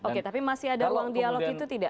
oke tapi masih ada ruang dialog itu tidak